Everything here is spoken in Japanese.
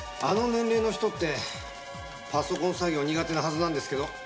あの年齢の人ってパソコン作業苦手なはずなんですけど。